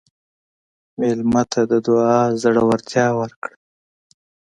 مېلمه ته د دعا زړورتیا ورکړه.